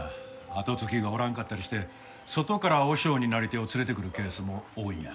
跡継ぎがおらんかったりして外から和尚になり手を連れてくるケースも多いんや。